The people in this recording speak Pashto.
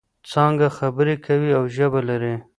څانګه خبرې کوي او ژبه لري.